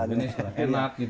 enak gitu ya pak